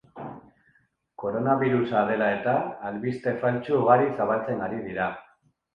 Koronabirusa dela eta, albiste faltsu ugari zabaltzen ari dira.